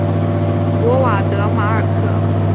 博瓦德马尔克。